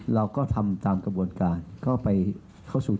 เราก็ทำตามกระบวนการก็ไปเข้าสู่ที่ประชุม๘พักร่วมเรา